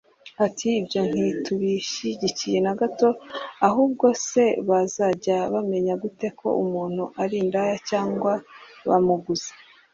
ati “ Ibyo ntitubishyigikiye na gato ahubwo se bazajya bamenya gute ko umuntu ari indaya cyangwa bamuguze